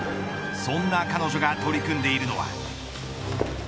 そんな彼女が取り組んでいるのは。